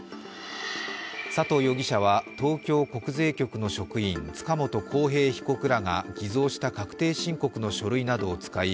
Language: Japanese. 佐藤容疑者は東京国税局の職員、塚本晃平被告らが偽造した確定申告の書類などを使い